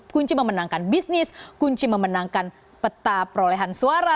kunci memenangkan bisnis kunci memenangkan peta perolehan suara